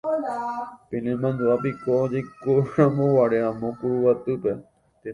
Penemandu'ápiko jaikoramoguare amo Kuruguatýpe.